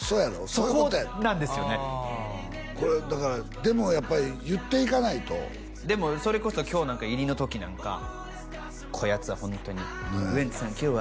そういうことやそこなんですよねこれだからでもやっぱ言っていかないとでもそれこそ今日なんか入りの時なんかこやつはホントに「ウエンツさん今日は」